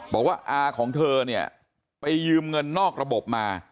บอกว่าอาของเธอเนี่ยไปยืมเงินนอกระบบมา